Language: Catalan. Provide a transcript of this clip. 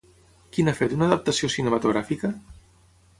Qui n'ha fet una adaptació cinematogràfica?